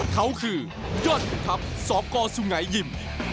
เขาคือยอดทัพสอบก้อสุงัยยิม